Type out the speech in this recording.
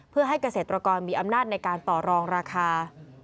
เพื่อให้เกษตรกรมีอำนาจในการต่อรองราคา